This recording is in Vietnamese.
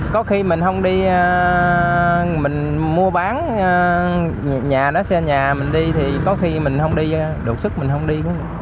có khi mình không đi mình mua bán nhà nó xe nhà mình đi thì có khi mình không đi đột sức mình không đi